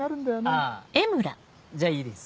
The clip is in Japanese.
あぁじゃあいいです。